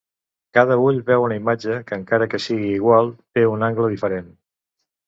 Cada ull veu una imatge, que encara que sigui igual, té un angle diferent.